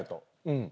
うん。